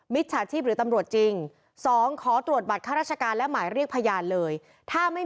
ไม่ใช่ครับเขาจะตอบตอบคนซื้อนี่แหละครับแค่ว่าเป็นพยานช่วยนี่นะครับ